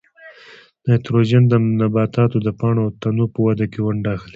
نایتروجن د نباتاتو د پاڼو او تنو په وده کې ونډه اخلي.